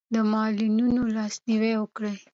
د معلولینو لاسنیوی وکړئ.